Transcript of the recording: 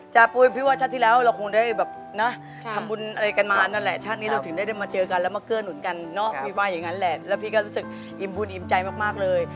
ปุ๋ยพี่ว่าชาติที่แล้วเราคงได้แบบนะทำบุญอะไรกันมานั่นแหละชาตินี้เราถึงได้มาเจอกันแล้วมาเกื้อหนุนกันเนอะพี่ว่าอย่างนั้นแหละแล้วพี่ก็รู้สึกอิ่มบุญอิ่มใจมากเลย